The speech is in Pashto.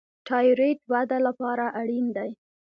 تایرویډ وده لپاره اړین دی.